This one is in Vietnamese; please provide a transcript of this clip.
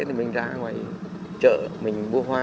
thì mình ra ngoài chợ mình mua hoa